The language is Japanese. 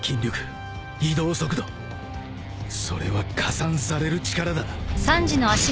それは加算される力だ